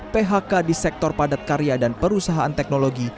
phk di sektor padat karya dan perusahaan teknologi